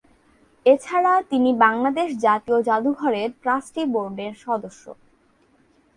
এছাড়া তিনি বাংলাদেশ জাতীয় জাদুঘরের ট্রাস্টি বোর্ডের সদস্য।